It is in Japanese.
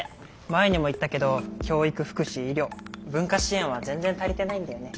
前にも言ったけど教育福祉医療文化支援は全然足りてないんだよね。